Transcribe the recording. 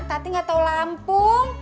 tati gak tau lampung